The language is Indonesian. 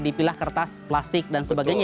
dipilah kertas plastik dan sebagainya